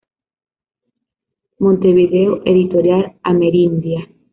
Montevideo: Editorial Amerindia.